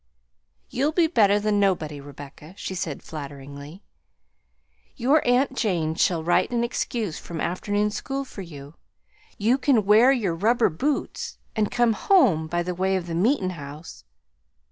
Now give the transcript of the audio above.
"You'll be better than nobody, Rebecca," she said flatteringly; "your aunt Jane shall write an excuse from afternoon school for you; you can wear your rubber boots and come home by the way of the meetin' house.